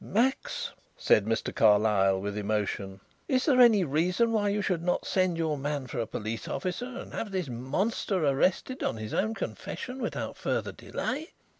"Max," said Mr. Carlyle, with emotion, "is there any reason why you should not send your man for a police officer and have this monster arrested on his own confession without further delay?"